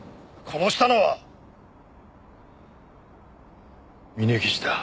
殺したのは峰岸だ。